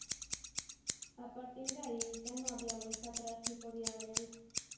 A partir de ahí ya no había vuelta atrás ni podía haberla.